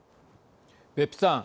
別府さん